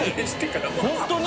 本当に？